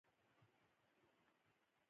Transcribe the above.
مولوي بشیر زه سردار صاحب ته بوتلم.